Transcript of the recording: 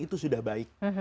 itu sudah baik